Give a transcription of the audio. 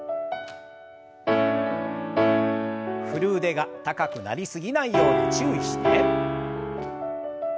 振る腕が高くなりすぎないように注意して。